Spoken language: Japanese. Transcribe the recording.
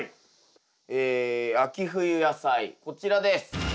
え秋冬野菜こちらです。